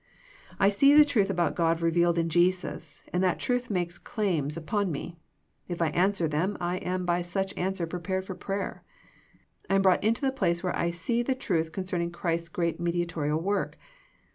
I see the truth about God revealed in Jesus and that truth makes claims upon me. If I answer them I am by such answer prepared for prayer. I am brought into the place where I see the truth con cerning Christ's great mediatorial work.